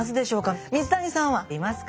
水谷さんはいますか？